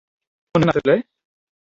কিছু মনে করবেন আপনার সাথে বসলে?